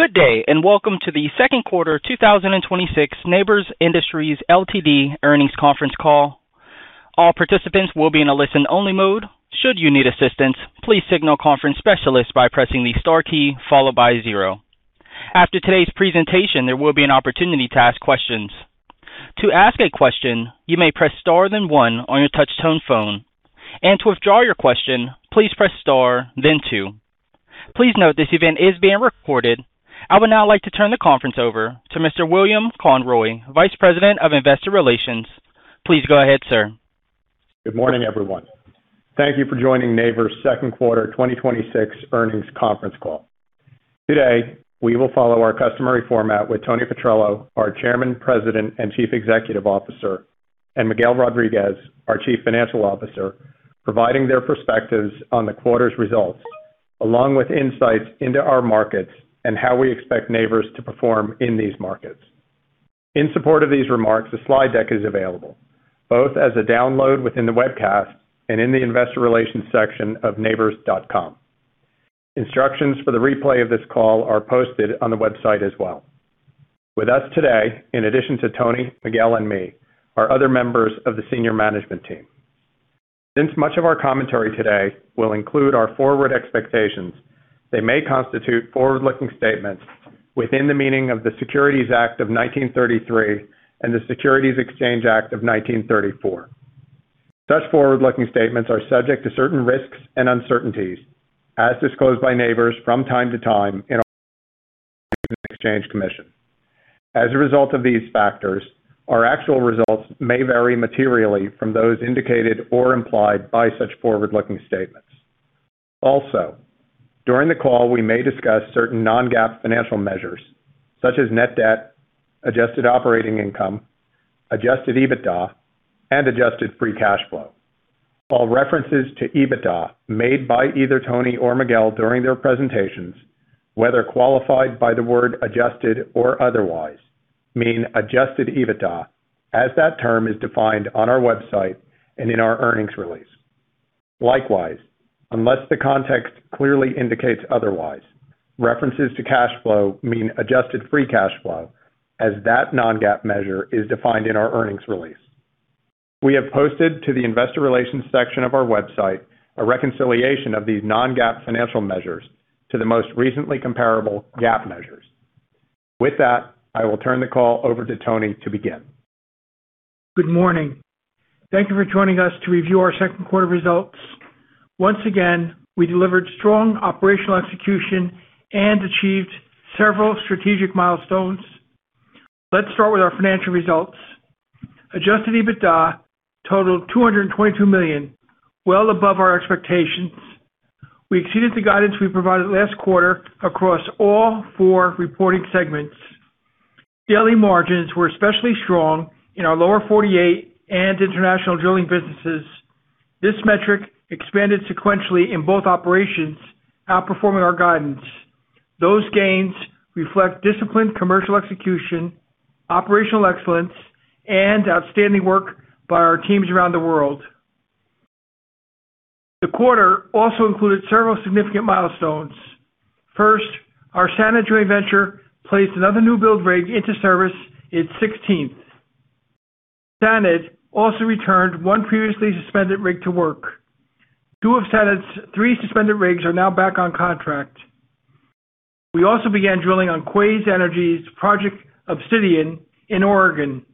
Good day. Welcome to the second quarter 2026 Nabors Industries Ltd. earnings conference call. All participants will be in a listen-only mode. Should you need assistance, please signal conference specialist by pressing the star key followed by zero. After today's presentation, there will be an opportunity to ask questions. To ask a question, you may press star then one on your touch tone phone, and to withdraw your question, please press star then two. Please note this event is being recorded. I would now like to turn the conference over to Mr. William Conroy, Vice President of Investor Relations. Please go ahead, sir. Good morning, everyone. Thank you for joining Nabors' second quarter 2026 earnings conference call. Today, we will follow our customary format with Tony Petrello, our Chairman, President, and Chief Executive Officer, and Miguel Rodriguez, our Chief Financial Officer, providing their perspectives on the quarter's results, along with insights into our markets and how we expect Nabors to perform in these markets. In support of these remarks, a slide deck is available, both as a download within the webcast and in the investor relations section of nabors.com. Instructions for the replay of this call are posted on the website as well. With us today, in addition to Tony, Miguel, and me, are other members of the senior management team. Since much of our commentary today will include our forward expectations, they may constitute forward-looking statements within the meaning of the Securities Act of 1933 and the Securities Exchange Act of 1934. Such forward-looking statements are subject to certain risks and uncertainties as disclosed by Nabors from time to time in our Securities and Exchange Commission. As a result of these factors, our actual results may vary materially from those indicated or implied by such forward-looking statements. Also, during the call, we may discuss certain non-GAAP financial measures such as net debt, adjusted operating income, adjusted EBITDA, and adjusted free cash flow. All references to EBITDA made by either Tony or Miguel during their presentations, whether qualified by the word adjusted or otherwise, mean adjusted EBITDA as that term is defined on our website and in our earnings release. Likewise, unless the context clearly indicates otherwise, references to cash flow mean adjusted free cash flow as that non-GAAP measure is defined in our earnings release. We have posted to the investor relations section of our website a reconciliation of these non-GAAP financial measures to the most recently comparable GAAP measures. With that, I will turn the call over to Tony to begin. Good morning. Thank you for joining us to review our second quarter results. Once again, we delivered strong operational execution and achieved several strategic milestones. Let's start with our financial results. Adjusted EBITDA totaled $222 million, well above our expectations. We exceeded the guidance we provided last quarter across all four reporting segments. Daily margins were especially strong in our Lower 48 and International Drilling businesses. This metric expanded sequentially in both operations, outperforming our guidance. Those gains reflect disciplined commercial execution, operational excellence, and outstanding work by our teams around the world. The quarter also included several significant milestones. First, our SANAD joint venture placed another new build rig into service, its 16th. SANAD also returned one previously suspended rig to work. Two of SANAD's three suspended rigs are now back on contract. We also began drilling on Quaise Energy's Project Obsidian in Oregon.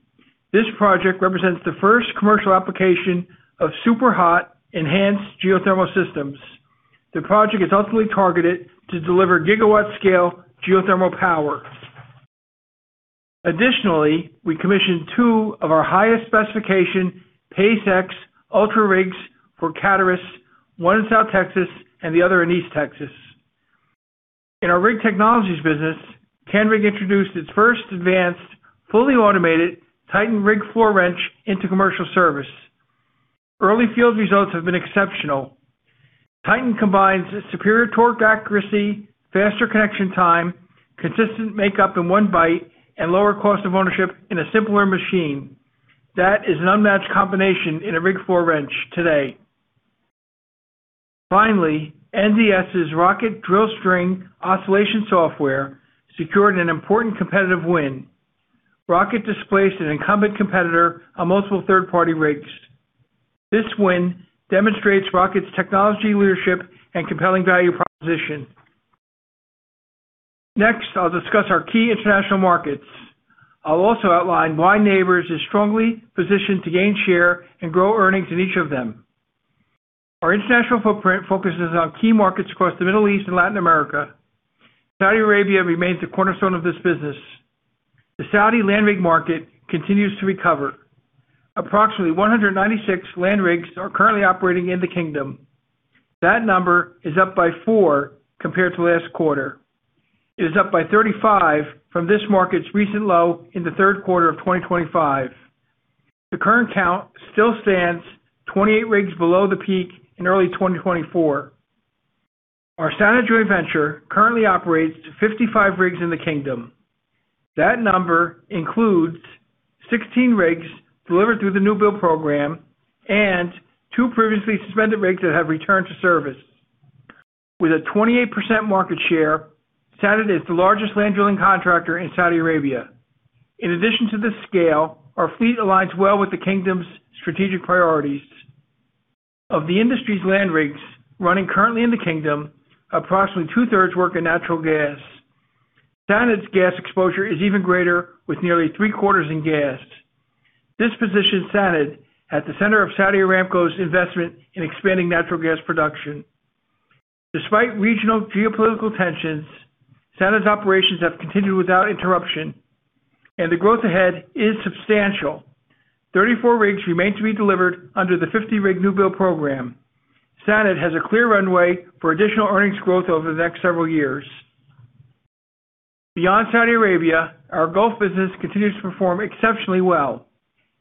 This project represents the first commercial application of superhot enhanced geothermal systems. The project is ultimately targeted to deliver gigawatt-scale geothermal power. Additionally, we commissioned two of our highest specification PACE-X Ultra rigs for Caturus, one in South Texas and the other in East Texas. In our Rig Technologies business, Canrig introduced its first advanced, fully automated Titan rig floor wrench into commercial service. Early field results have been exceptional. Titan combines superior torque accuracy, faster connection time, consistent makeup in one bite, and lower cost of ownership in a simpler machine. That is an unmatched combination in a rig floor wrench today. Finally, NDS's ROCKit drill string oscillation software secured an important competitive win. ROCKit displaced an incumbent competitor on multiple third-party rigs. This win demonstrates ROCKit's technology leadership and compelling value proposition. Next, I'll discuss our key international markets. I'll also outline why Nabors is strongly positioned to gain share and grow earnings in each of them. Our international footprint focuses on key markets across the Middle East and Latin America. Saudi Arabia remains the cornerstone of this business. The Saudi land rig market continues to recover. Approximately 196 land rigs are currently operating in the kingdom. That number is up by four compared to last quarter. It is up by 35 from this market's recent low in the third quarter of 2025. The current count still stands 28 rigs below the peak in early 2024. Our SANAD joint venture currently operates 55 rigs in the kingdom. That number includes 16 rigs delivered through the new build program and two previously suspended rigs that have returned to service. With a 28% market share, SANAD is the largest land drilling contractor in Saudi Arabia. In addition to this scale, our fleet aligns well with the kingdom's strategic priorities. Of the industry's land rigs running currently in the kingdom, approximately two-thirds work in natural gas. SANAD's gas exposure is even greater, with nearly three-quarters in gas. This positions SANAD at the center of Saudi Aramco's investment in expanding natural gas production. Despite regional geopolitical tensions, SANAD's operations have continued without interruption, and the growth ahead is substantial. 34 rigs remain to be delivered under the 50-rig new build program. SANAD has a clear runway for additional earnings growth over the next several years. Beyond Saudi Arabia, our Gulf business continues to perform exceptionally well.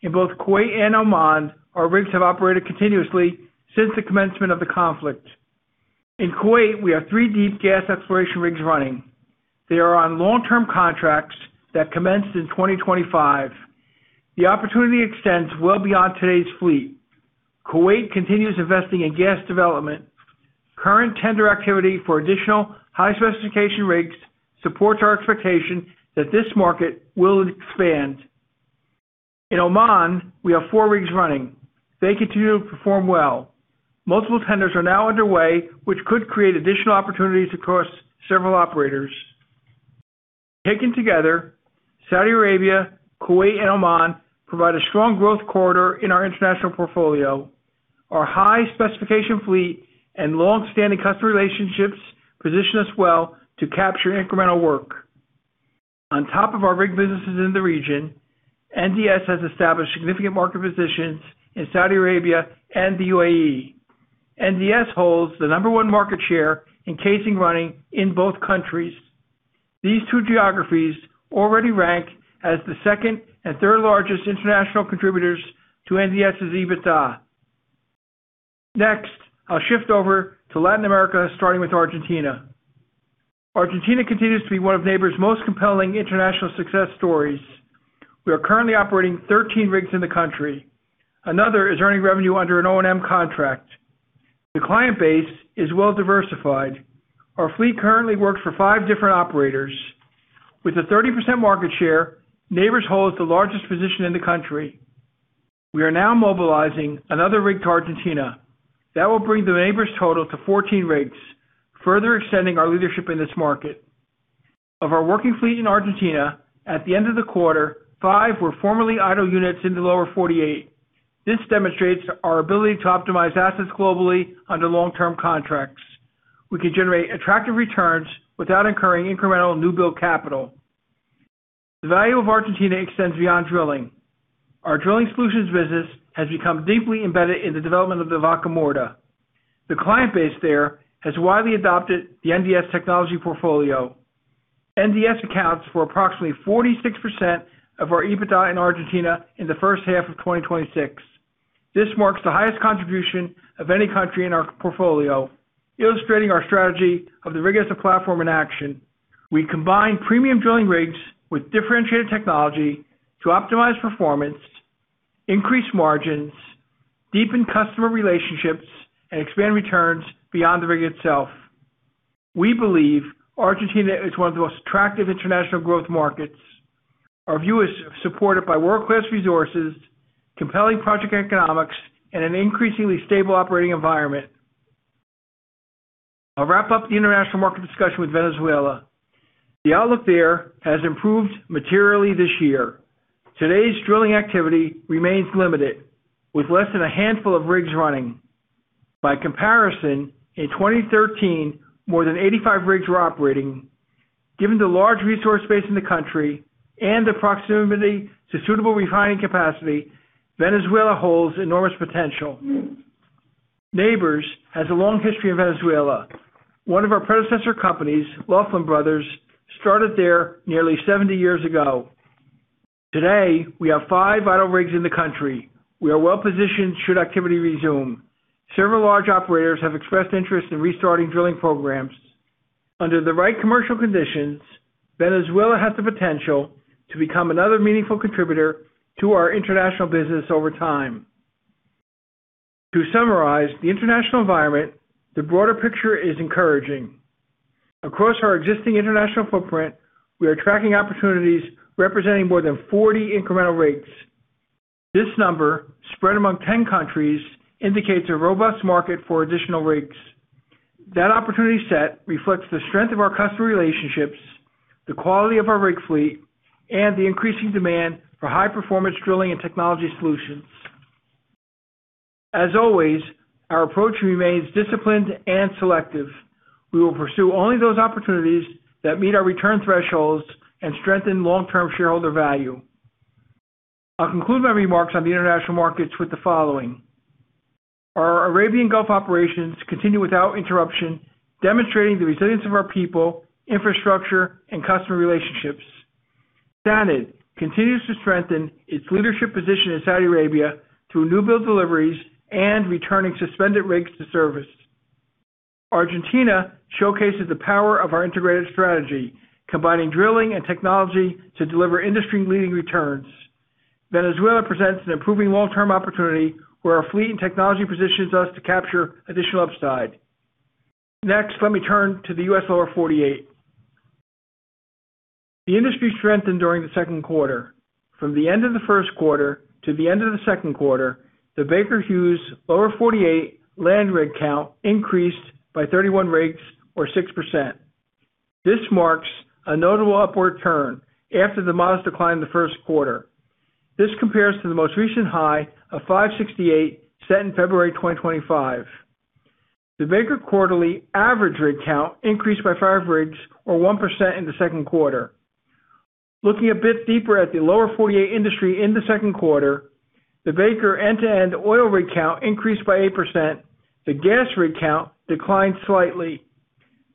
In both Kuwait and Oman, our rigs have operated continuously since the commencement of the conflict. In Kuwait, we have three deep gas exploration rigs running. They are on long-term contracts that commenced in 2025. The opportunity extends well beyond today's fleet. Kuwait continues investing in gas development. Current tender activity for additional high-specification rigs supports our expectation that this market will expand. In Oman, we have four rigs running. They continue to perform well. Multiple tenders are now underway, which could create additional opportunities across several operators. Taken together, Saudi Arabia, Kuwait, and Oman provide a strong growth corridor in our international portfolio. Our high-specification fleet and long-standing customer relationships position us well to capture incremental work. On top of our rig businesses in the region, NDS has established significant market positions in Saudi Arabia and the U.A.E. NDS holds the number one market share in casing running in both countries. These two geographies already rank as the second and third largest international contributors to NDS's EBITDA. Next, I'll shift over to Latin America, starting with Argentina. Argentina continues to be one of Nabors' most compelling international success stories. We are currently operating 13 rigs in the country. Another is earning revenue under an O&M contract. The client base is well-diversified. Our fleet currently works for five different operators. With a 30% market share, Nabors holds the largest position in the country. We are now mobilizing another rig to Argentina. That will bring the Nabors total to 14 rigs, further extending our leadership in this market. Of our working fleet in Argentina, at the end of the quarter, five were formerly idle units in the Lower 48. This demonstrates our ability to optimize assets globally under long-term contracts. We can generate attractive returns without incurring incremental new build capital. The value of Argentina extends beyond drilling. Our Drilling Solutions business has become deeply embedded in the development of the Vaca Muerta. The client base there has widely adopted the NDS technology portfolio. NDS accounts for approximately 46% of our EBITDA in Argentina in the first half of 2026. This marks the highest contribution of any country in our portfolio, illustrating our strategy of the rig as a platform in action. We combine premium drilling rigs with differentiated technology to optimize performance, increase margins, deepen customer relationships, and expand returns beyond the rig itself. We believe Argentina is one of the most attractive international growth markets. Our view is supported by world-class resources, compelling project economics, and an increasingly stable operating environment. I'll wrap up the international market discussion with Venezuela. The outlook there has improved materially this year. Today's drilling activity remains limited, with less than a handful of rigs running. By comparison, in 2013, more than 85 rigs were operating. Given the large resource base in the country and the proximity to suitable refining capacity, Venezuela holds enormous potential. Nabors has a long history in Venezuela. One of our predecessor companies, Loffland Brothers, started there nearly 70 years ago. Today, we have five idle rigs in the country. We are well-positioned should activity resume. Several large operators have expressed interest in restarting drilling programs. Under the right commercial conditions, Venezuela has the potential to become another meaningful contributor to our international business over time. To summarize the international environment, the broader picture is encouraging. Across our existing international footprint, we are tracking opportunities representing more than 40 incremental rigs. This number, spread among 10 countries, indicates a robust market for additional rigs. That opportunity set reflects the strength of our customer relationships, the quality of our rig fleet, and the increasing demand for high-performance drilling and technology solutions. As always, our approach remains disciplined and selective. We will pursue only those opportunities that meet our return thresholds and strengthen long-term shareholder value. I'll conclude my remarks on the international markets with the following. Our Arabian Gulf operations continue without interruption, demonstrating the resilience of our people, infrastructure, and customer relationships. SANAD continues to strengthen its leadership position in Saudi Arabia through new build deliveries and returning suspended rigs to service. Argentina showcases the power of our integrated strategy, combining drilling and technology to deliver industry-leading returns. Venezuela presents an improving long-term opportunity where our fleet and technology positions us to capture additional upside. Next, let me turn to the U.S. Lower 48. The industry strengthened during the second quarter. From the end of the first quarter to the end of the second quarter, the Baker Hughes Lower 48 land rig count increased by 31 rigs or 6%. This marks a notable upward turn after the modest decline in the first quarter. This compares to the most recent high of 568, set in February 2025. The Baker quarterly average rig count increased by five rigs or 1% in the second quarter. Looking a bit deeper at the Lower 48 industry in the second quarter, the Baker end-to-end oil rig count increased by 8%. The gas rig count declined slightly.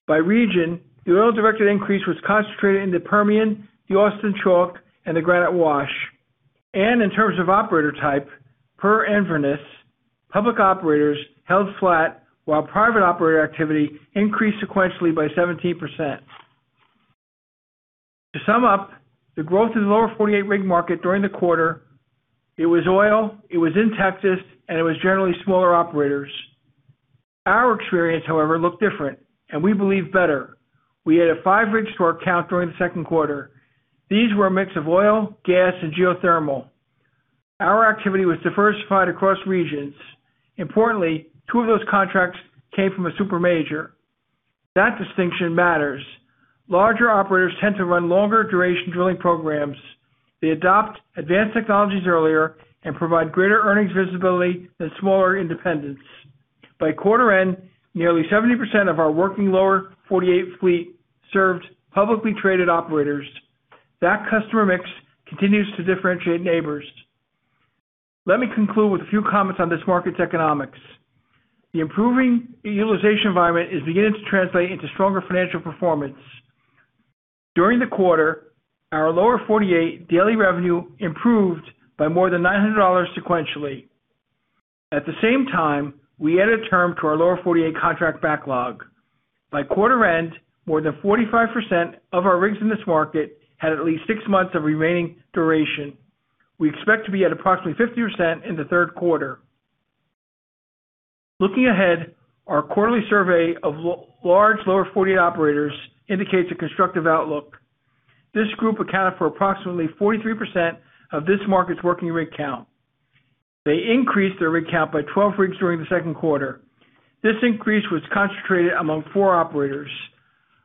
By region, the oil-directed increase was concentrated in the Permian, the Austin Chalk, and the Granite Wash. In terms of operator type, per Enverus, public operators held flat while private operator activity increased sequentially by 17%. To sum up, the growth in the Lower 48 rig market during the quarter, it was oil, it was in Texas, and it was generally smaller operators. Our experience, however, looked different and, we believe, better. We had a five rig count during the second quarter. These were a mix of oil, gas, and geothermal. Our activity was diversified across regions. Importantly, two of those contracts came from a super major. That distinction matters. Larger operators tend to run longer duration drilling programs. They adopt advanced technologies earlier and provide greater earnings visibility than smaller independents. By quarter end, nearly 70% of our working Lower 48 fleet served publicly traded operators. That customer mix continues to differentiate Nabors. Let me conclude with a few comments on this market's economics. The improving utilization environment is beginning to translate into stronger financial performance. During the quarter, our Lower 48 daily revenue improved by more than $900 sequentially. At the same time, we added term to our Lower 48 contract backlog. By quarter end, more than 45% of our rigs in this market had at least six months of remaining duration. We expect to be at approximately 50% in the third quarter. Looking ahead, our quarterly survey of large Lower 48 operators indicates a constructive outlook. This group accounted for approximately 43% of this market's working rig count. They increased their rig count by 12 rigs during the second quarter. This increase was concentrated among four operators.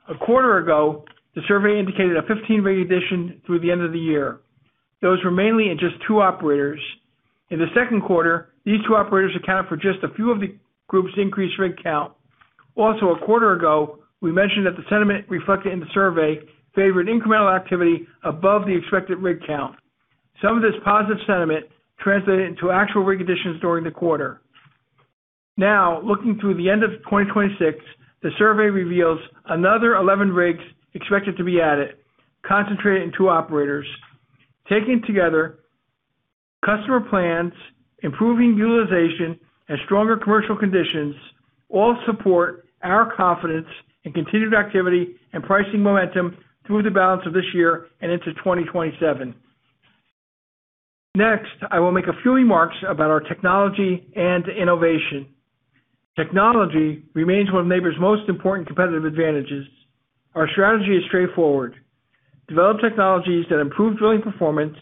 A quarter ago, the survey indicated a 15 rig addition through the end of the year. Those were mainly in just two operators. In the second quarter, these two operators accounted for just a few of the group's increased rig count. A quarter ago, we mentioned that the sentiment reflected in the survey favored incremental activity above the expected rig count. Some of this positive sentiment translated into actual rig additions during the quarter. Looking through the end of 2026, the survey reveals another 11 rigs expected to be added, concentrated in two operators. Taken together, customer plans, improving utilization, and stronger commercial conditions all support our confidence in continued activity and pricing momentum through the balance of this year and into 2027. I will make a few remarks about our technology and innovation. Technology remains one of Nabors' most important competitive advantages. Our strategy is straightforward. Develop technologies that improve drilling performance,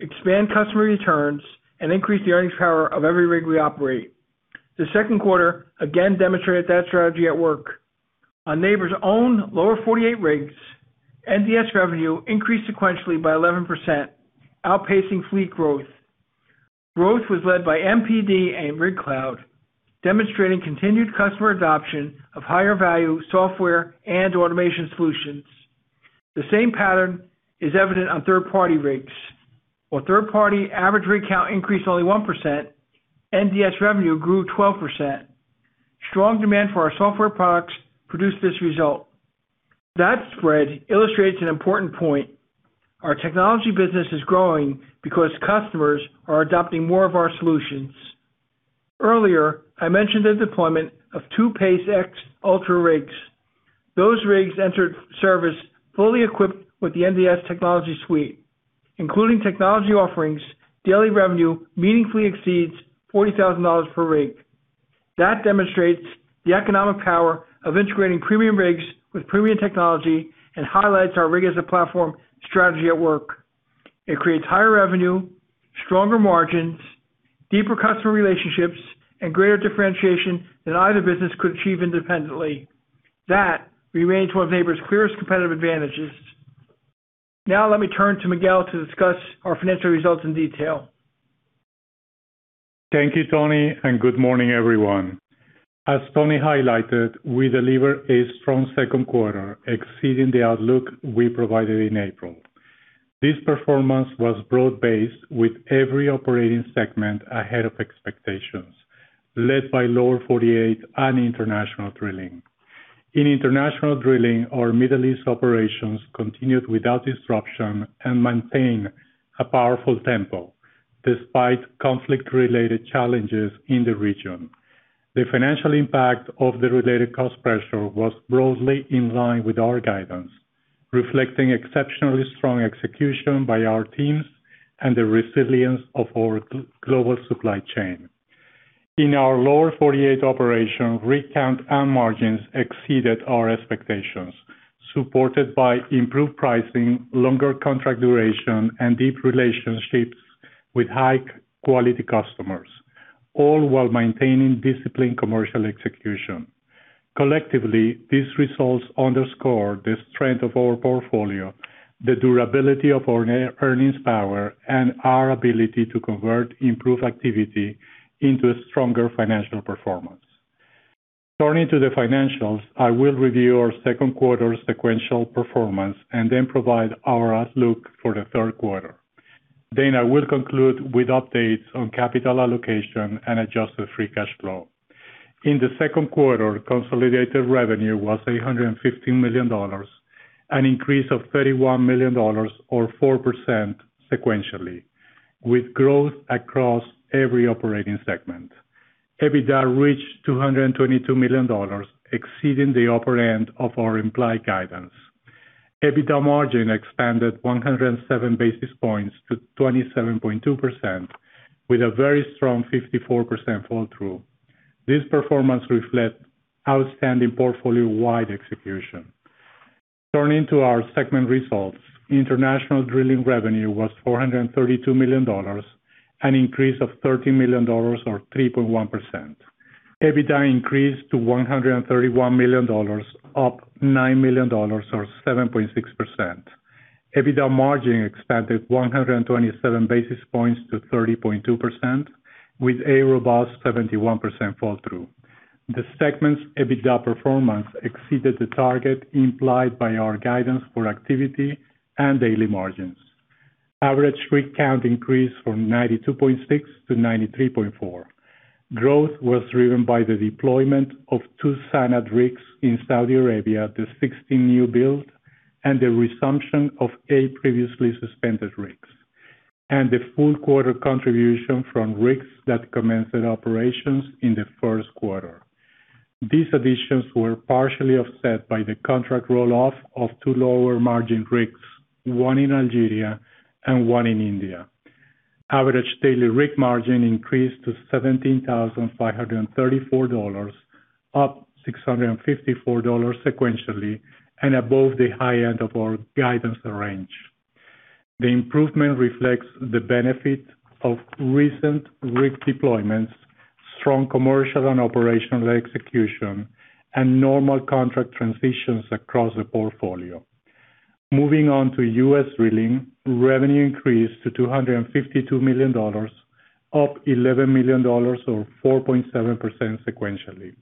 expand customer returns, and increase the earnings power of every rig we operate. The second quarter again demonstrated that strategy at work. On Nabors' own Lower 48 rigs, NDS revenue increased sequentially by 11%, outpacing fleet growth. Growth was led by MPD and RigCLOUD, demonstrating continued customer adoption of higher value software and automation solutions. The same pattern is evident on third-party rigs. While third-party average rig count increased only 1%, NDS revenue grew 12%. Strong demand for our software products produced this result. That spread illustrates an important point. Our technology business is growing because customers are adopting more of our solutions. Earlier, I mentioned the deployment of two PACE-X Ultra rigs. Those rigs entered service fully equipped with the NDS technology suite. Including technology offerings, daily revenue meaningfully exceeds $40,000 per rig. That demonstrates the economic power of integrating premium rigs with premium technology and highlights our rig as a platform strategy at work. It creates higher revenue, stronger margins, deeper customer relationships, and greater differentiation than either business could achieve independently. That remains one of Nabors' clearest competitive advantages. Let me turn to Miguel to discuss our financial results in detail. Thank you, Tony, and good morning, everyone. As Tony highlighted, we delivered a strong second quarter, exceeding the outlook we provided in April. This performance was broad-based with every operating segment ahead of expectations, led by Lower 48 and International Drilling. In International Drilling, our Middle East operations continued without disruption and maintain a powerful tempo despite conflict-related challenges in the region. The financial impact of the related cost pressure was broadly in line with our guidance, reflecting exceptionally strong execution by our teams and the resilience of our global supply chain. In our Lower 48 operation, rig count and margins exceeded our expectations, supported by improved pricing, longer contract duration, and deep relationships with high-quality customers, all while maintaining disciplined commercial execution. Collectively, these results underscore the strength of our portfolio, the durability of our earnings power, and our ability to convert improved activity into a stronger financial performance. Turning to the financials, I will review our second quarter sequential performance and provide our outlook for the third quarter. I will conclude with updates on capital allocation and adjusted free cash flow. In the second quarter, consolidated revenue was $315 million, an increase of $31 million or 4% sequentially, with growth across every operating segment. EBITDA reached $222 million, exceeding the upper end of our implied guidance. EBITDA margin expanded 107 basis points to 27.2% with a very strong 54% fall-through. This performance reflects outstanding portfolio-wide execution. Turning to our segment results, International Drilling revenue was $432 million, an increase of $13 million or 3.1%. EBITDA increased to $131 million, up $9 million or 7.6%. EBITDA margin expanded 127 basis points to 30.2% with a robust 71% fall-through. The segment's EBITDA performance exceeded the target implied by our guidance for activity and daily margins. Average rig count increased from 92.6 to 93.4. Growth was driven by the deployment of two SANAD rigs in Saudi Arabia, the 16 new build, and the resumption of a previously suspended rig, and the full quarter contribution from rigs that commenced their operations in the first quarter. These additions were partially offset by the contract roll-off of two lower margin rigs, one in Algeria and one in India. Average daily rig margin increased to $17,534, up $654 sequentially and above the high end of our guidance range. The improvement reflects the benefit of recent rig deployments, strong commercial and operational execution, and normal contract transitions across the portfolio. Moving on to U.S. Drilling, revenue increased to $252 million, up $11 million or 4.7% sequentially.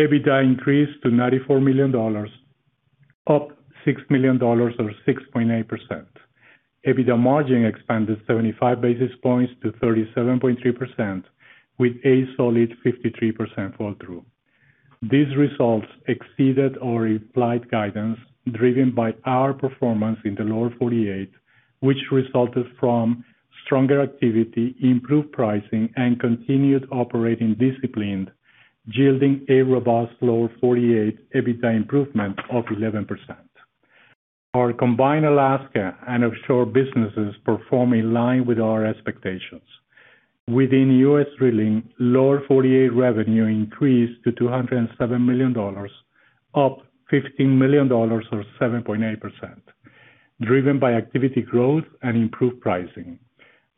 EBITDA increased to $94 million, up $6 million or 6.8%. EBITDA margin expanded 75 basis points to 37.3% with a solid 53% fall-through. These results exceeded our implied guidance driven by our performance in the Lower 48, which resulted from stronger activity, improved pricing, and continued operating discipline, yielding a robust Lower 48 EBITDA improvement of 11%. Our combined Alaska and offshore businesses perform in line with our expectations. Within U.S. Drilling, Lower 48 revenue increased to $207 million, up $15 million or 7.8%, driven by activity growth and improved pricing.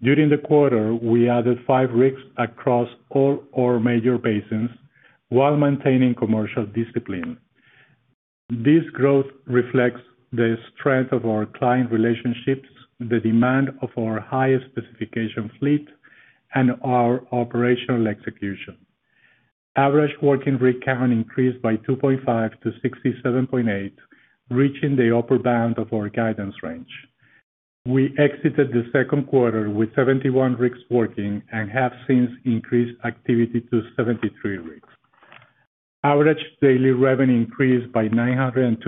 During the quarter, we added five rigs across all our major basins while maintaining commercial discipline. This growth reflects the strength of our client relationships, the demand of our highest specification fleet, and our operational execution. Average working rig count increased by 2.5 to 67.8, reaching the upper band of our guidance range. We exited the second quarter with 71 rigs working and have since increased activity to 73 rigs. Average daily revenue increased by $902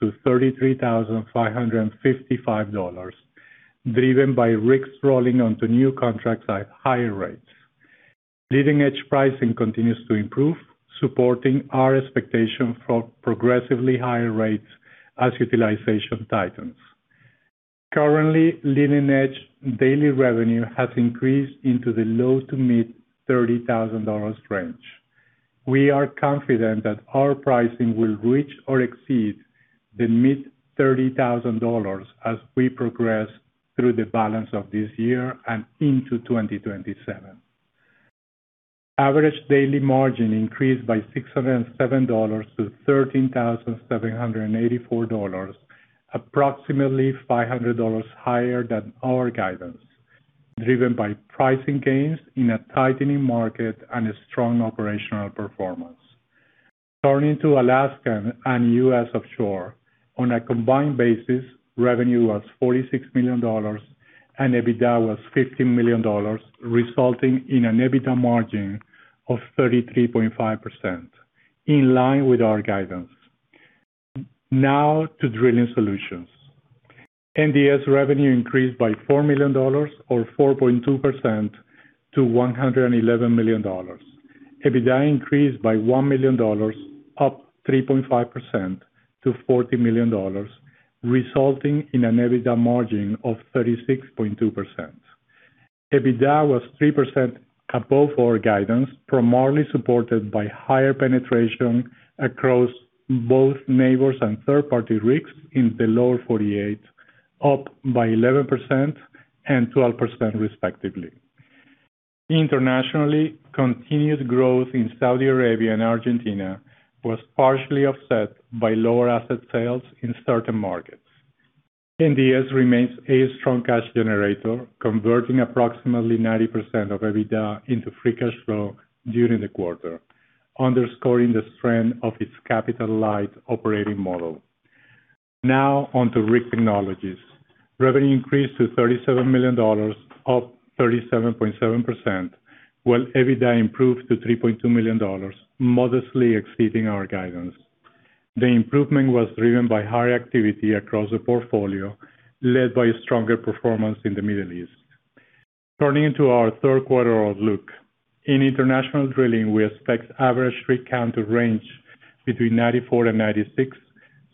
to $33,555, driven by rigs rolling onto new contracts at higher rates. Leading-edge pricing continues to improve, supporting our expectation for progressively higher rates as utilization tightens. Currently, leading-edge daily revenue has increased into the low to mid $30,000 range. We are confident that our pricing will reach or exceed the mid $30,000 as we progress through the balance of this year and into 2027. Average daily margin increased by $607 to $13,784, approximately $500 higher than our guidance, driven by pricing gains in a tightening market and a strong operational performance. Turning to Alaska and U.S. offshore. On a combined basis, revenue was $46 million and EBITDA was $15 million, resulting in an EBITDA margin of 33.5%, in line with our guidance. Now to Drilling Solutions. NDS revenue increased by $4 million or 4.2% to $111 million. EBITDA increased by $1 million, up 3.5% to $40 million, resulting in an EBITDA margin of 36.2%. EBITDA was 3% above our guidance, primarily supported by higher penetration across both Nabors and third-party rigs in the Lower 48, up by 11% and 12% respectively. Internationally, continued growth in Saudi Arabia and Argentina was partially offset by lower asset sales in certain markets. NDS remains a strong cash generator, converting approximately 90% of EBITDA into free cash flow during the quarter, underscoring the strength of its capital-light operating model. Now on to Rig Technologies. Revenue increased to $37 million, up 37.7%, while EBITDA improved to $3.2 million, modestly exceeding our guidance. The improvement was driven by higher activity across the portfolio, led by stronger performance in the Middle East. Turning to our third quarter outlook. In International Drilling, we expect average rig count to range between 94 and 96,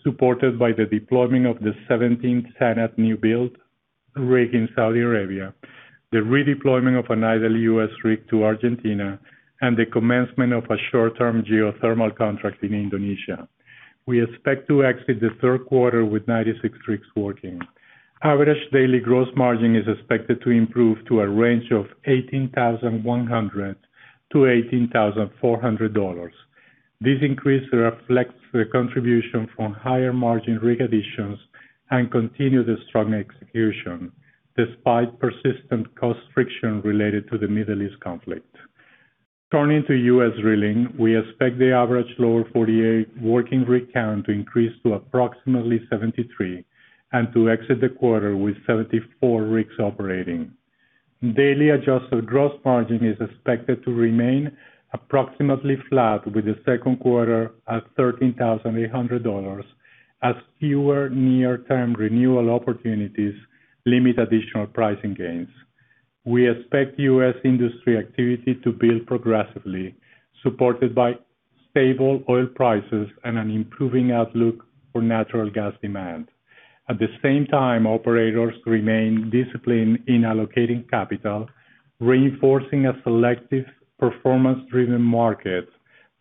supported by the deployment of the 17th SANAD new build rig in Saudi Arabia, the redeployment of an idle U.S. rig to Argentina, and the commencement of a short-term geothermal contract in Indonesia. We expect to exit the third quarter with 96 rigs working. Average daily gross margin is expected to improve to a range of $18,100-$18,400. This increase reflects the contribution from higher-margin rig additions and continued strong execution despite persistent cost friction related to the Middle East conflict. Turning to U.S. Drilling, we expect the average Lower 48 working rig count to increase to approximately 73 and to exit the quarter with 74 rigs operating. Daily adjusted gross margin is expected to remain approximately flat with the second quarter at $13,800 as fewer near-term renewal opportunities limit additional pricing gains. We expect U.S. industry activity to build progressively, supported by stable oil prices and an improving outlook for natural gas demand. At the same time, operators remain disciplined in allocating capital, reinforcing a selective, performance-driven market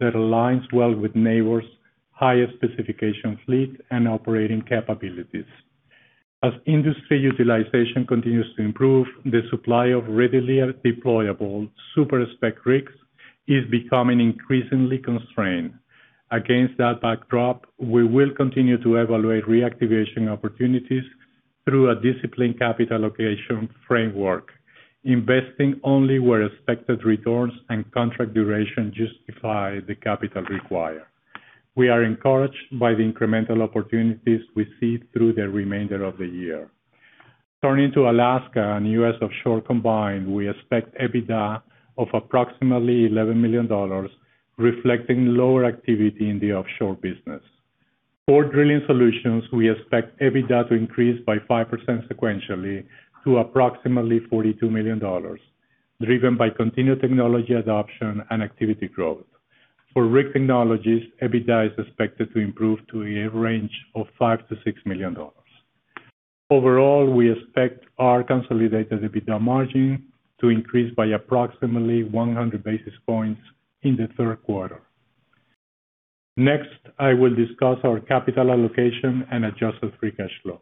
that aligns well with Nabors' highest specification fleet and operating capabilities. As industry utilization continues to improve, the supply of readily deployable super-spec rigs is becoming increasingly constrained. Against that backdrop, we will continue to evaluate reactivation opportunities through a disciplined capital allocation framework, investing only where expected returns and contract duration justify the capital required. We are encouraged by the incremental opportunities we see through the remainder of the year. Turning to Alaska and U.S. offshore combined, we expect EBITDA of approximately $11 million, reflecting lower activity in the offshore business. For Drilling Solutions, we expect EBITDA to increase by 5% sequentially to approximately $42 million, driven by continued technology adoption and activity growth. For Rig Technologies, EBITDA is expected to improve to a range of $5 million-$6 million. Overall, we expect our consolidated EBITDA margin to increase by approximately 100 basis points in the third quarter. Next, I will discuss our capital allocation and adjusted free cash flow.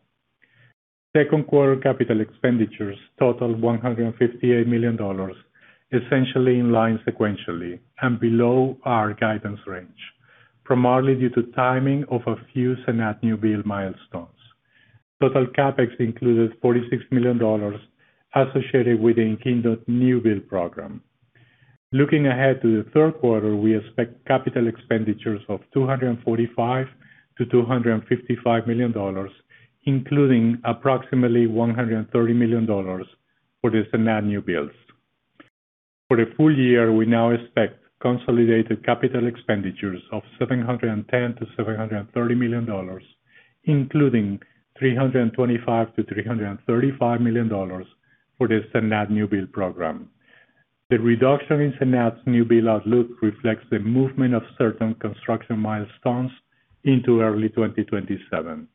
Second quarter capital expenditures totaled $158 million, essentially in line sequentially and below our guidance range, primarily due to timing of a few SANAD new build milestones. Total CapEx included $46 million associated with the In-Kingdom new build program. Looking ahead to the third quarter, we expect capital expenditures of $245 million-$255 million, including approximately $130 million for the SANAD new builds. For the full year, we now expect consolidated capital expenditures of $710 million-$730 million, including $325 million-$335 million for the SANAD new build program. The reduction in SANAD's new build outlook reflects the movement of certain construction milestones into early 2027.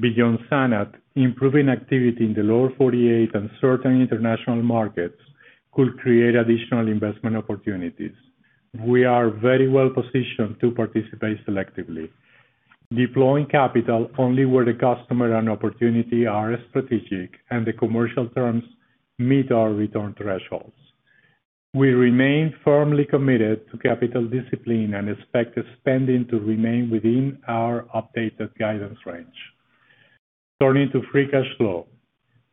Beyond SANAD, improving activity in the Lower 48 and certain international markets could create additional investment opportunities. We are very well-positioned to participate selectively, deploying capital only where the customer and opportunity are strategic and the commercial terms meet our return thresholds. We remain firmly committed to capital discipline and expect spending to remain within our updated guidance range. Turning to free cash flow.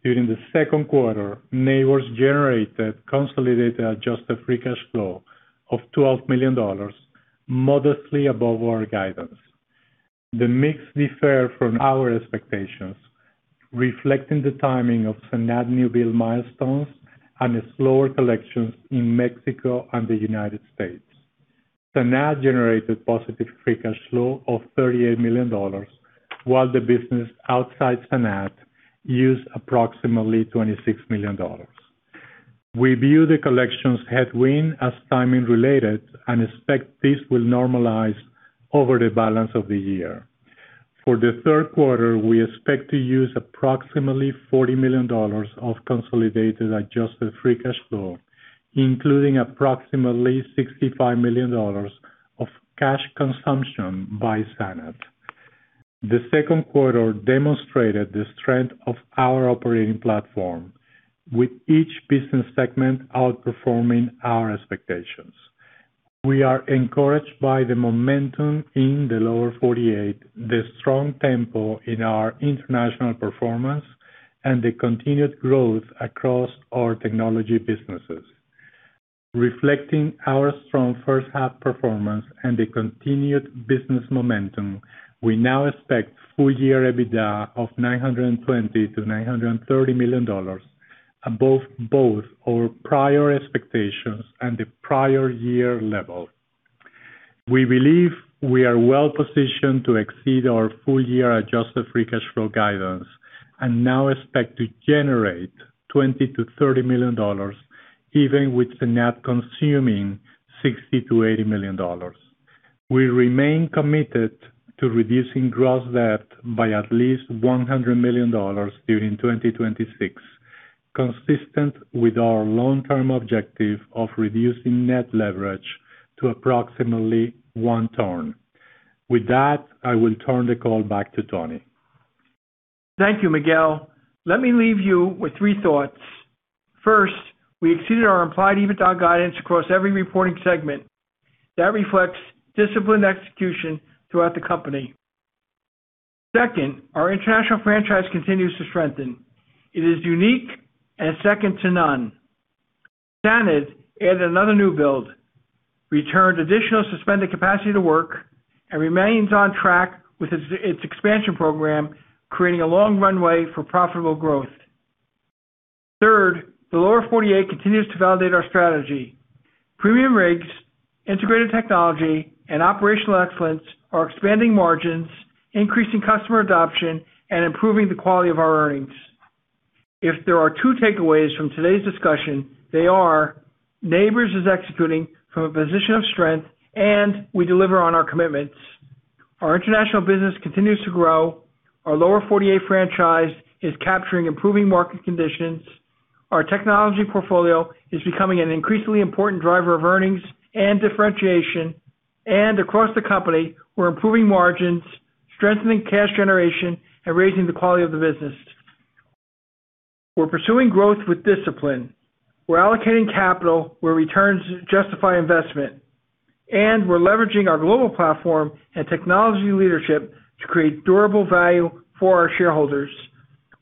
During the second quarter, Nabors generated consolidated adjusted free cash flow of $12 million, modestly above our guidance. The mix differed from our expectations, reflecting the timing of SANAD new build milestones and slower collections in Mexico and the United States. SANAD generated positive free cash flow of $38 million, while the business outside SANAD used approximately $26 million. We view the collections headwind as timing related and expect this will normalize over the balance of the year. For the third quarter, we expect to use approximately $40 million of consolidated adjusted free cash flow, including approximately $65 million of cash consumption by SANAD. The second quarter demonstrated the strength of our operating platform, with each business segment outperforming our expectations. We are encouraged by the momentum in the Lower 48, the strong tempo in our international performance, and the continued growth across our technology businesses. Reflecting our strong first half performance and the continued business momentum, we now expect full year EBITDA of $920 million-$930 million above both our prior expectations and the prior year level. We believe we are well-positioned to exceed our full-year adjusted free cash flow guidance and now expect to generate $20 million-$30 million, even with SANAD consuming $60 million-$80 million. We remain committed to reducing gross debt by at least $100 million during 2026, consistent with our long-term objective of reducing net leverage to approximately one turn. With that, I will turn the call back to Tony. Thank you, Miguel. Let me leave you with three thoughts. First, we exceeded our implied EBITDA guidance across every reporting segment. That reflects disciplined execution throughout the company. Second, our international franchise continues to strengthen. It is unique and second to none. SANAD added another new build, returned additional suspended capacity to work, and remains on track with its expansion program, creating a long runway for profitable growth. Third, the Lower 48 continues to validate our strategy. Premium rigs, integrated technology, and operational excellence are expanding margins, increasing customer adoption, and improving the quality of our earnings. If there are two takeaways from today's discussion, they are: Nabors is executing from a position of strength, and we deliver on our commitments. Our international business continues to grow. Our Lower 48 franchise is capturing improving market conditions. Our technology portfolio is becoming an increasingly important driver of earnings and differentiation. Across the company, we're improving margins, strengthening cash generation, and raising the quality of the business. We're pursuing growth with discipline. We're allocating capital where returns justify investment. We're leveraging our global platform and technology leadership to create durable value for our shareholders.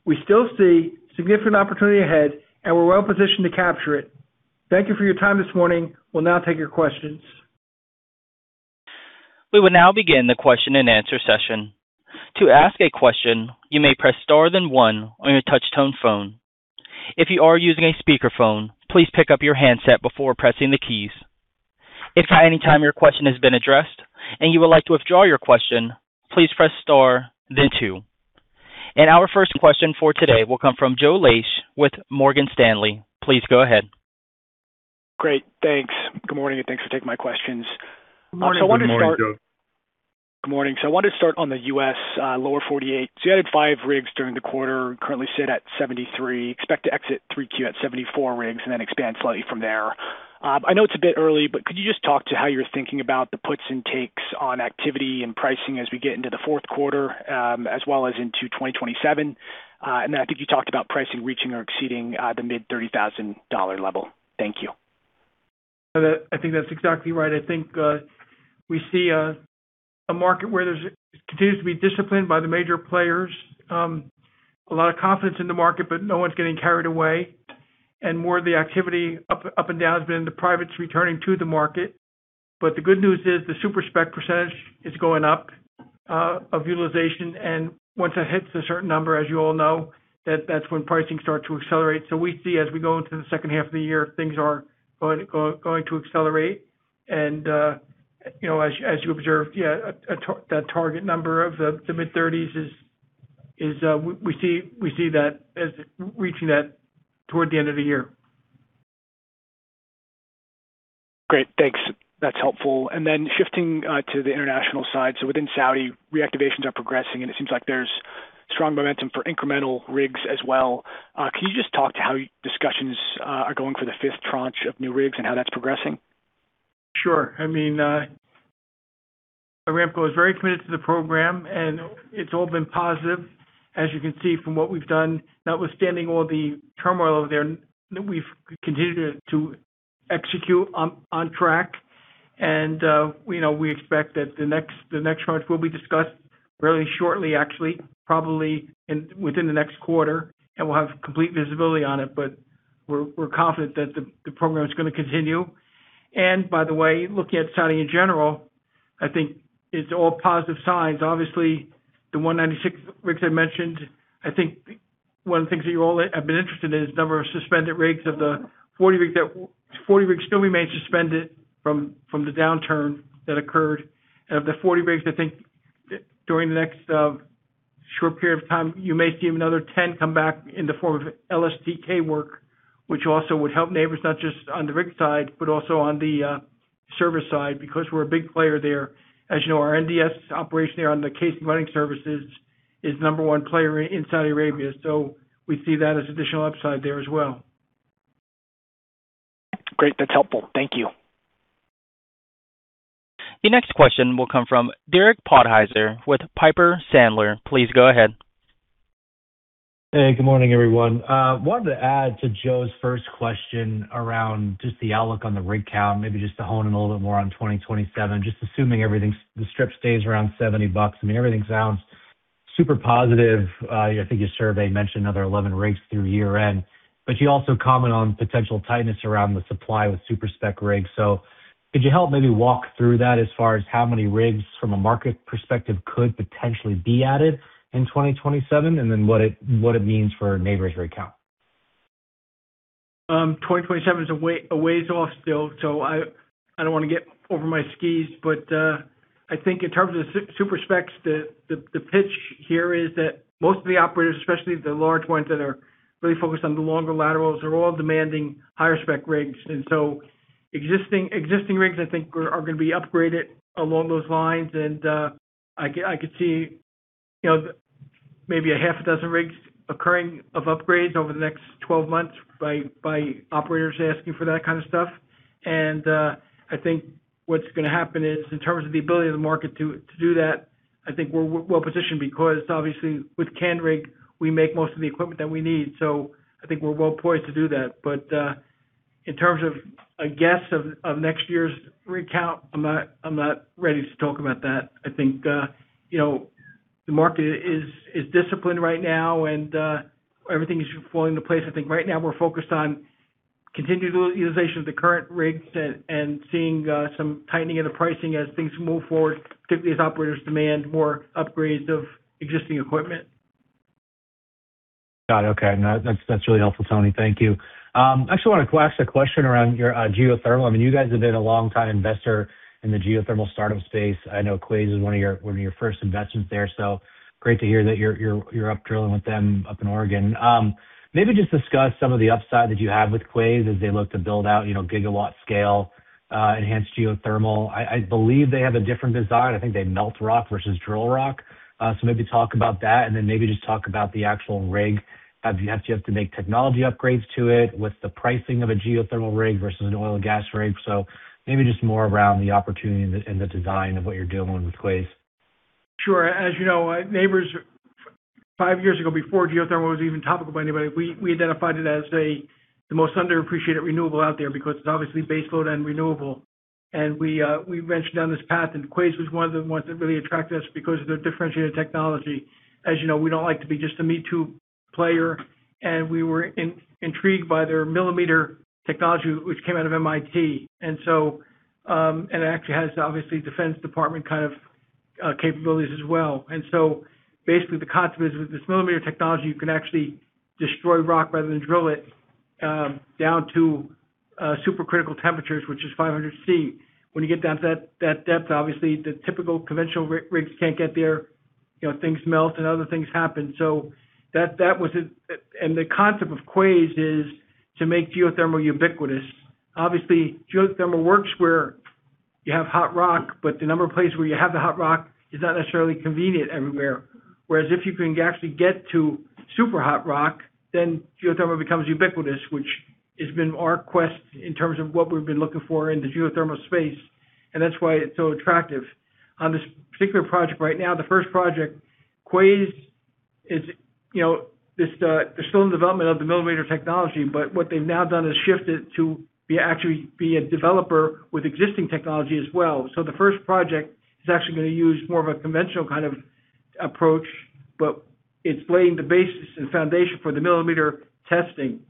We still see significant opportunity ahead, and we're well positioned to capture it. Thank you for your time this morning. We'll now take your questions. We will now begin the question and answer session. To ask a question, you may press star then one on your touch-tone phone. If you are using a speakerphone, please pick up your handset before pressing the keys. If at any time your question has been addressed and you would like to withdraw your question, please press star then two. Our first question for today will come from Joe Laetsch with Morgan Stanley. Please go ahead. Great. Thanks. Good morning. Thanks for taking my questions. Morning. Good morning, Joe. Good morning. I wanted to start on the U.S., Lower 48. You added five rigs during the quarter, currently sit at 73, expect to exit 3Q at 74 rigs and then expand slightly from there. I know it's a bit early, but could you just talk to how you're thinking about the puts and takes on activity and pricing as we get into the fourth quarter, as well as into 2027? I think you talked about pricing reaching or exceeding the mid $30,000 level. Thank you. I think that's exactly right. I think we see a market where there continues to be discipline by the major players. A lot of confidence in the market, but no one's getting carried away. More of the activity up and down has been the privates returning to the market. The good news is the super-spec percentage is going up of utilization, and once that hits a certain number, as you all know, that's when pricing starts to accelerate. We see as we go into the second half of the year, things are going to accelerate. As you observed, yeah, that target number of the mid-30s is, we see that as reaching that toward the end of the year. Great. Thanks. That's helpful. Shifting to the international side. Within Saudi, reactivations are progressing, and it seems like there's strong momentum for incremental rigs as well. Can you just talk to how discussions are going for the fifth tranche of new rigs and how that's progressing? Sure. I mean, Aramco is very committed to the program, and it's all been positive. As you can see from what we've done, notwithstanding all the turmoil over there, we've continued to execute on track. We expect that the next charge will be discussed very shortly, actually, probably within the next quarter, and we'll have complete visibility on it. We're confident that the program is going to continue. By the way, looking at Saudi in general, I think it's all positive signs. Obviously, the 196 rigs I mentioned, I think one of the things that you all have been interested in is number of suspended rigs of the 40 rigs still remain suspended from the downturn that occurred. Of the 40 rigs, I think during the next short period of time, you may see another 10 come back in the form of LSTK work, which also would help Nabors, not just on the rig side, but also on the service side, because we're a big player there. As you know, our NDS operation there on the casing running services is number one player in Saudi Arabia, so we see that as additional upside there as well. Great. That's helpful. Thank you. The next question will come from Derek Podhizer with Piper Sandler. Please go ahead. Hey, good morning, everyone. Wanted to add to Joe's first question around just the outlook on the rig count, maybe just to hone in a little bit more on 2027, just assuming everything, the strip stays around $70. I mean, everything sounds super positive. I think your survey mentioned another 11 rigs through year-end, but you also comment on potential tightness around the supply with super-spec rigs. Could you help maybe walk through that as far as how many rigs from a market perspective could potentially be added in 2027? And then what it means for Nabors rig count. 2027 is a ways off still, I don't want to get over my skis. I think in terms of the super-specs, the pitch here is that most of the operators, especially the large ones that are really focused on the longer laterals, are all demanding higher spec rigs. Existing rigs, I think, are going to be upgraded along those lines. I could see maybe a half a dozen rigs occurring of upgrades over the next 12 months by operators asking for that kind of stuff. I think what's going to happen is, in terms of the ability of the market to do that, I think we're well-positioned because obviously with Canrig, we make most of the equipment that we need. I think we're well-poised to do that. In terms of a guess of next year's rig count, I'm not ready to talk about that. I think the market is disciplined right now, and everything is falling into place. I think right now we're focused on continued utilization of the current rigs and seeing some tightening of the pricing as things move forward, particularly as operators demand more upgrades of existing equipment. Got it. Okay. No, that's really helpful, Tony. Thank you. I actually wanted to ask a question around your geothermal. I mean, you guys have been a long-time investor in the geothermal startup space. I know Quaise is one of your first investments there, so great to hear that you're up drilling with them up in Oregon. Maybe just discuss some of the upside that you have with Quaise as they look to build out gigawatt scale enhanced geothermal. I believe they have a different design. I think they melt rock versus drill rock. Maybe talk about that and then maybe just talk about the actual rig. Have you had to make technology upgrades to it? What's the pricing of a geothermal rig versus an oil and gas rig? Maybe just more around the opportunity and the design of what you're doing with Quaise. Sure. As you know, Nabors, five years ago, before geothermal was even topical by anybody, we identified it as the most underappreciated renewable out there because it's obviously baseload and renewable. We ventured down this path, and Quaise was one of the ones that really attracted us because of their differentiated technology. As you know, we don't like to be just a me-too player, and we were intrigued by their millimeter technology, which came out of MIT. It actually has, obviously, defense department kind of capabilities as well. Basically, the concept is with this millimeter technology, you can actually destroy rock rather than drill it down to supercritical temperatures, which is 500 celsius. When you get down to that depth, obviously, the typical conventional rigs can't get there, things melt and other things happen. The concept of Quaise is to make geothermal ubiquitous. Obviously, geothermal works where you have hot rock, the number of places where you have the hot rock is not necessarily convenient everywhere. Whereas if you can actually get to super hot rock, geothermal becomes ubiquitous, which has been our quest in terms of what we've been looking for in the geothermal space, and that's why it's so attractive. On this particular project right now, the first project, Quaise is still in development of the millimeter technology, but what they've now done is shifted to be actually be a developer with existing technology as well. The first project is actually going to use more of a conventional kind of approach, but it's laying the basis and foundation for the millimeter testing.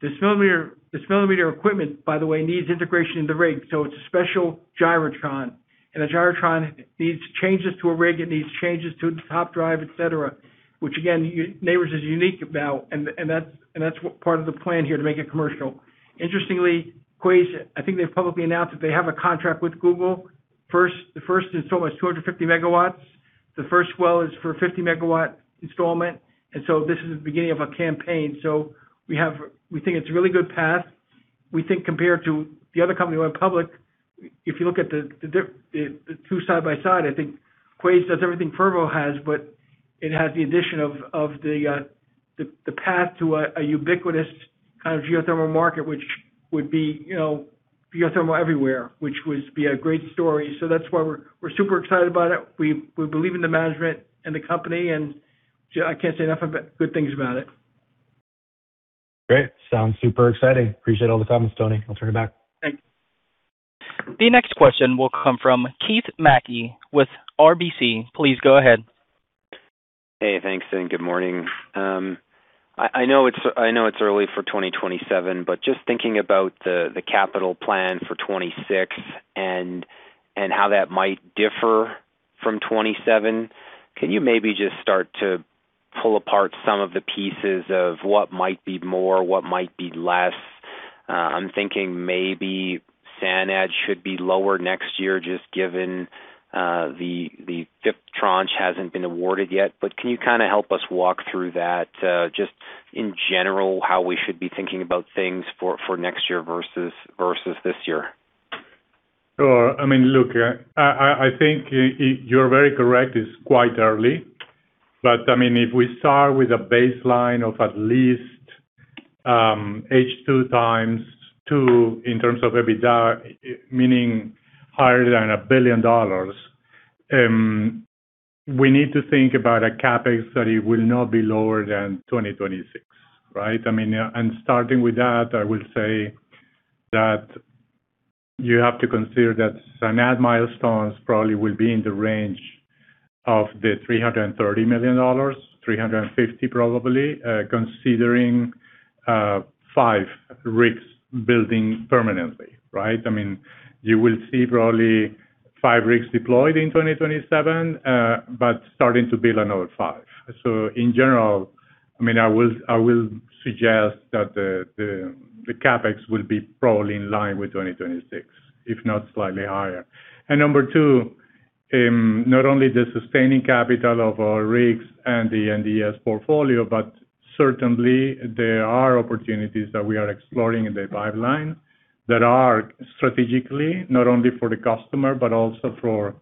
This millimeter equipment, by the way, needs integration in the rig, so it's a special gyrotron. A gyrotron needs changes to a rig, it needs changes to the top drive, et cetera, which again, Nabors is unique now, and that's part of the plan here to make it commercial. Interestingly, Quaise, I think they've publicly announced that they have a contract with Google. The first installment is 250 MW. The first well is for a 50 MW installment, this is the beginning of a campaign. We think it's a really good path. We think compared to the other company who went public, if you look at the two side by side, I think Quaise does everything Fervo has, but it has the addition of the path to a ubiquitous kind of geothermal market, which would be geothermal everywhere, which would be a great story. That's why we're super excited about it. We believe in the management and the company. I can't say enough good things about it. Great. Sounds super exciting. Appreciate all the comments, Tony. I'll turn it back. Thanks. The next question will come from Keith Mackey with RBC. Please go ahead. Hey, thanks. Good morning. I know it's early for 2027, just thinking about the capital plan for 2026 and how that might differ from 2027, can you maybe just start to pull apart some of the pieces of what might be more, what might be less? I'm thinking maybe SANAD should be lower next year, just given the fifth tranche hasn't been awarded yet. Can you kind of help us walk through that, just in general, how we should be thinking about things for next year versus this year? Sure. Look, I think you're very correct, it's quite early. If we start with a baseline of at least H2 x 2 in terms of EBITDA, meaning higher than $1 billion, we need to think about a CapEx that will not be lower than 2026. Right. Starting with that, I will say that you have to consider that SANAD milestones probably will be in the range of $330 million-$350 million probably, considering five rigs building permanently. Right. You will see probably five rigs deployed in 2027, but starting to build another five. In general, I will suggest that the CapEx will be probably in line with 2026, if not slightly higher. Number two, not only the sustaining capital of our rigs and the NDS portfolio, but certainly there are opportunities that we are exploring in the pipeline that are strategically, not only for the customer but also for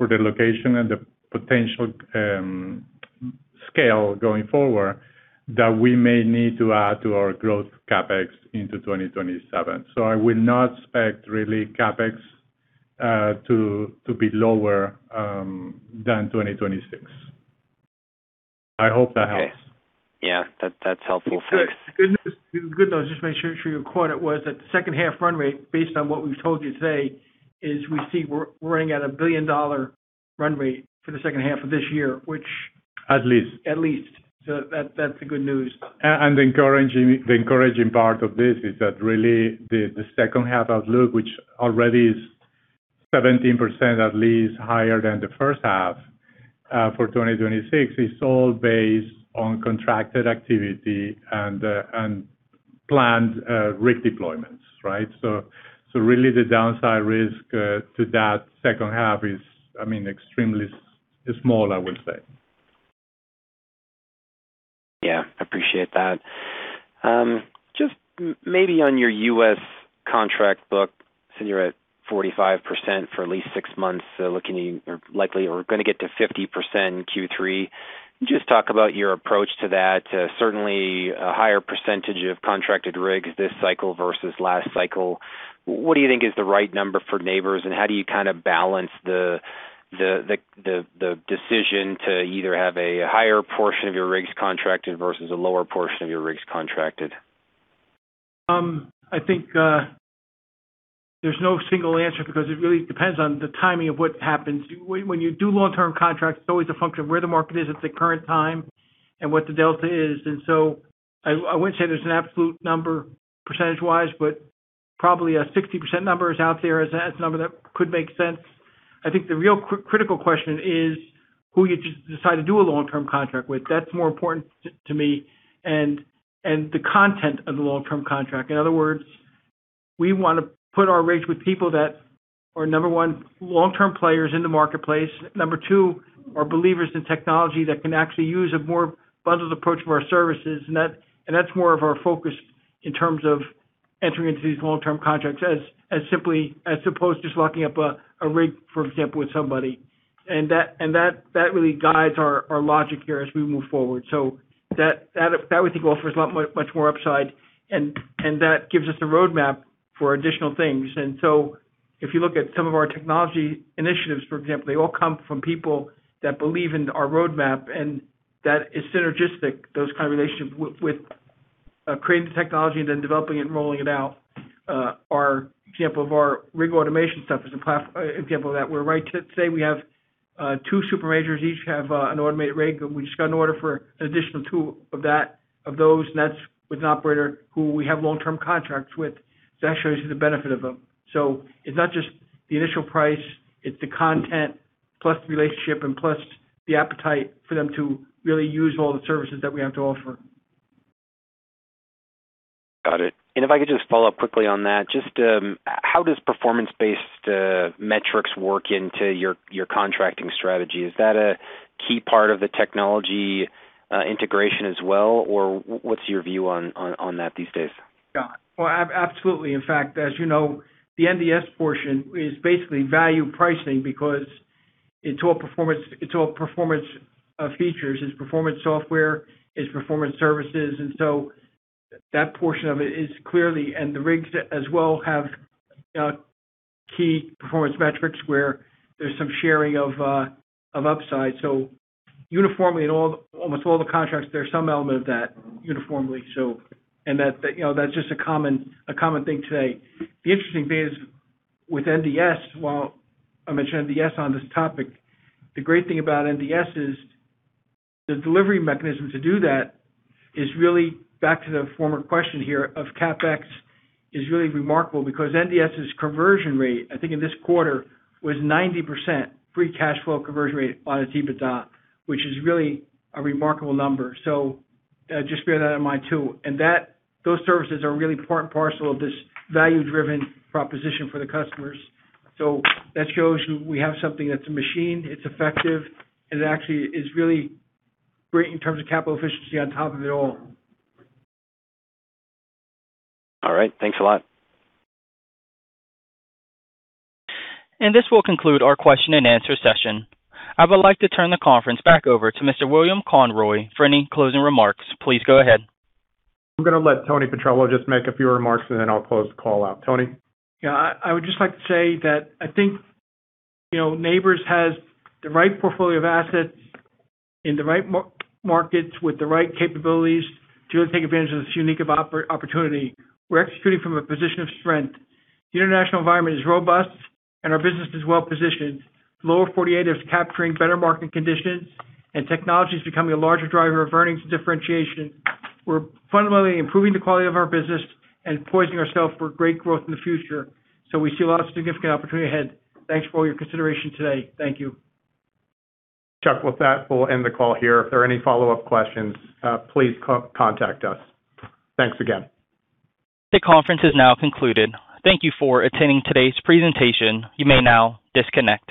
the location and the potential scale going forward, that we may need to add to our growth CapEx into 2027. I would not expect really CapEx to be lower than 2026. I hope that helps. Okay. Yeah. That's helpful. Thanks. Good though. Just make sure your quote was that the second half run rate, based on what we've told you today, is we see we're running at a $1 billion run rate for the second half of this year which- At least. -at least. That's the good news. The encouraging part of this is that really the second half outlook, which already is 17% at least higher than the first half, for 2026, is all based on contracted activity and planned rig deployments, right? Really the downside risk to that second half is extremely small, I would say. Yeah. Appreciate that. Just maybe on your U.S. contract book, since you're at 45% for at least six months, so looking likely or going to get to 50% in Q3, just talk about your approach to that. Certainly, a higher percentage of contracted rigs this cycle versus last cycle. What do you think is the right number for Nabors, and how do you kind of balance the decision to either have a higher portion of your rigs contracted versus a lower portion of your rigs contracted? I think there's no single answer because it really depends on the timing of what happens. When you do long-term contracts, it's always a function of where the market is at the current time and what the delta is. I wouldn't say there's an absolute number percentage-wise, but probably a 60% number is out there as a number that could make sense. I think the real critical question is who you decide to do a long-term contract with. That's more important to me, and the content of the long-term contract. In other words, we want to put our rigs with people that are number one, long-term players in the marketplace, number two, are believers in technology that can actually use a more bundled approach of our services. That's more of our focus in terms of entering into these long-term contracts as opposed to just locking up a rig, for example, with somebody. That really guides our logic here as we move forward. That would offer us much more upside, and that gives us a roadmap for additional things. If you look at some of our technology initiatives, for example, they all come from people that believe in our roadmap, and that is synergistic, those kind of relationships with creating the technology and then developing it and rolling it out. Our example of our rig automation stuff is an example of that, where right today we have two super majors, each have an automated rig. We just got an order for an additional two of those, and that's with an operator who we have long-term contracts with. That shows you the benefit of them. It's not just the initial price, it's the content plus the relationship and plus the appetite for them to really use all the services that we have to offer. Got it. If I could just follow up quickly on that, just how does performance-based metrics work into your contracting strategy? Is that a key part of the technology integration as well, or what's your view on that these days? Yeah. Well, absolutely. In fact, as you know, the NDS portion is basically value pricing because it's all performance features. It's performance software, it's performance services. That portion of it is clearly, and the rigs as well have key performance metrics where there's some sharing of upside. Uniformly in almost all the contracts, there's some element of that uniformly. That's just a common thing today. The interesting thing is with NDS, while I mention NDS on this topic, the great thing about NDS is the delivery mechanism to do that is really back to the former question here of CapEx is really remarkable because NDS's conversion rate, I think in this quarter, was 90% free cash flow conversion rate on EBITDA, which is really a remarkable number. Just bear that in mind, too. Those services are really parcel of this value-driven proposition for the customers. That shows we have something that's a machine, it's effective, and it actually is really great in terms of capital efficiency on top of it all. All right. Thanks a lot. This will conclude our question and answer session. I would like to turn the conference back over to Mr. William Conroy for any closing remarks. Please go ahead. I'm gonna let Tony Petrello just make a few remarks, and then I'll close the call out. Tony? Yeah. I would just like to say that I think Nabors has the right portfolio of assets in the right markets with the right capabilities to really take advantage of this unique opportunity. We're executing from a position of strength. The international environment is robust and our business is well-positioned. Lower 48 is capturing better market conditions, and technology is becoming a larger driver of earnings differentiation. We're fundamentally improving the quality of our business and positioning ourselves for great growth in the future. We see a lot of significant opportunity ahead. Thanks for all your consideration today. Thank you. Chuck, with that, we'll end the call here. If there are any follow-up questions, please contact us. Thanks again. The conference is now concluded. Thank you for attending today's presentation. You may now disconnect.